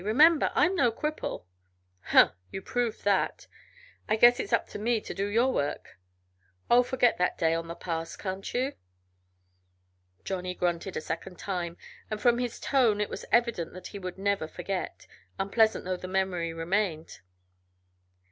Remember I'm no cripple." "Humph! You proved that. I guess it's up to me to do your work." "Oh, forget that day on the pass, can't you?" Johnny grunted a second time, and from his tone it was evident that he would never forget, unpleasant though the memory remained.